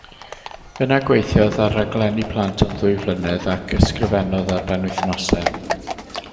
Yna gweithiodd ar raglenni plant am ddwy flynedd ac ysgrifennodd ar benwythnosau.